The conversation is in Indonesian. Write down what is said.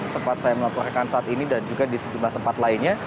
tempat saya melaporkan saat ini dan juga di sejumlah tempat lainnya